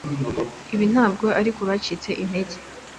Ibi ntabwo ari kubacitse intege